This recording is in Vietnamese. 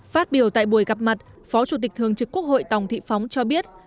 phát biểu tại buổi gặp mặt phó chủ tịch thường trực quốc hội tòng thị phóng cho biết